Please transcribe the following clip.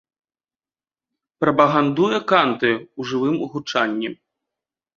Прапагандуе канты ў жывым гучанні.